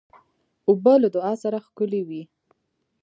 اوبه له دعا سره ښکلي وي.